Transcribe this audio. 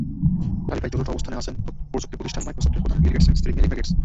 তালিকায় চতুর্থ অবস্থানে আছেন প্রযুক্তিপ্রতিষ্ঠান মাইক্রোসফটের প্রধান বিল গেটসের স্ত্রী মেলিন্ডা গেটস।